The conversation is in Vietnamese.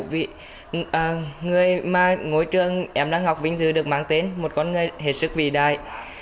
vì người mà ngôi trường em đang ngọc vinh dự được mang tên một con người hết sức vĩ đại